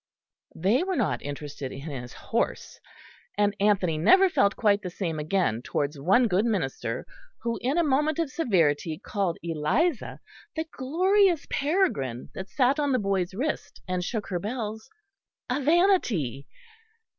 They were not interested in his horse, and Anthony never felt quite the same again towards one good minister who in a moment of severity called Eliza, the glorious peregrine that sat on the boy's wrist and shook her bells, a "vanity."